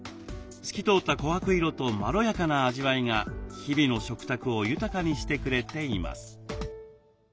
透き通った琥珀色とまろやかな味わいが日々の食卓を豊かにしてくれています。